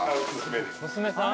娘さん？